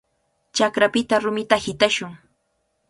Chakrapita rumita hitashun.